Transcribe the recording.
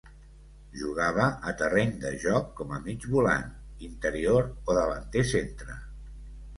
Jugava a terreny de joc com a mig volant, interior o davanter centre.